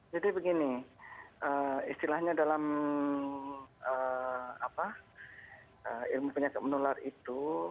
jadi begini istilahnya dalam ilmu penyakit menular itu